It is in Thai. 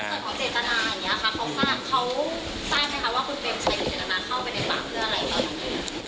เขาสร้างไหมคะว่าคุณเบมชัยคือเจตนาเข้าไปในฝั่งเพื่ออะไร